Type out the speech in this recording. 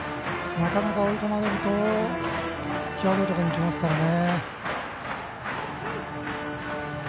なかなか追い込まれると際どいところにきますからね。